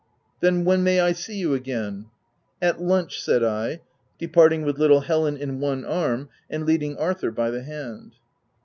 " Then, when may I see you again ?"" At lunch," said I, departing with little Helen in one arm, and leading Arthur by the hand.